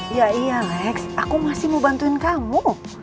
iya alex aku masih mau bantuin kamu